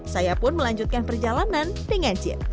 saya pun melanjutkan perjalanan dengan jin